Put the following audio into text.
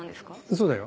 そうだよ。